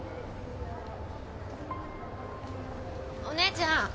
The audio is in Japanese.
お姉ちゃん！